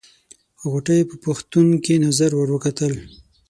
غوټۍ په پوښتونکې نظر ور وکتل.